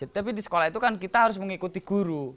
tapi di sekolah itu kan kita harus mengikuti guru